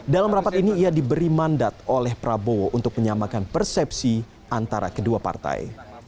dalam rapat ini ia diberi mandat oleh prabowo untuk menyamakan persepsi antara kedua partai